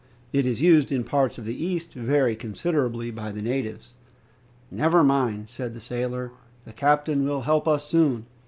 It is used in parts of the East very considerably by the natives. "Never mind!" said the sailor, "the captain will help us soon."